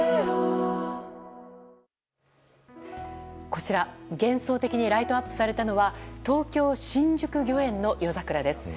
こちら、幻想的にライトアップされたのは東京・新宿御苑の夜桜です。